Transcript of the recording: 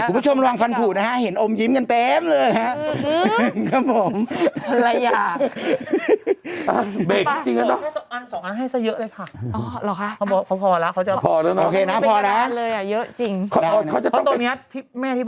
คุณผู้ชมลองฟันผูนะฮะเห็นอมยิ้มกันเต็มเลยฮะ